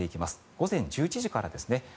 午前１１時からですね。